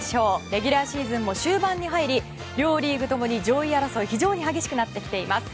レギュラーシーズンも終盤に入り両リーグ共に上位争いが非常に激しくなってきています。